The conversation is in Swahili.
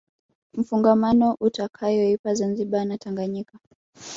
mfungamano utakayoipa Zanzibar na Tanganyika